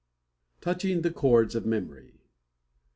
TOUCHING THE CHORDS OF MEMORY.